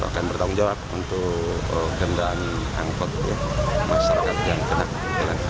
saya akan bertanggung jawab untuk kendalian angkut masyarakat yang kena